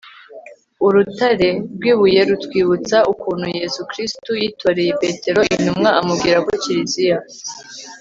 urutare rw'ibuye rutwibutsa ukuntu yezu kristu yitoreye petero intumwa amubwira ko kiliziya